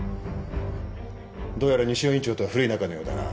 どうやら西尾院長とは古い仲のようだな。